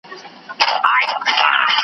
غنم د ډوډۍ لپاره کارېږي.